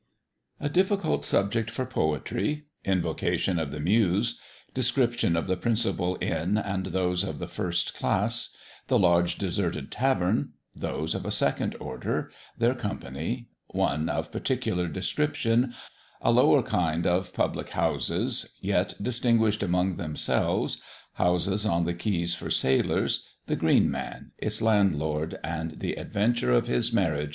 A difficult Subject for Poetry Invocation of the Muse Description of the principal Inn and those of the first Class The large deserted Tavern Those of a second Order Their Company One of particular Description A lower kind of Public Houses; yet distingushed among themselves Houses on the Quays for Sailors The Green Man; its Landlord, and the Adventure of his Marriage, &c.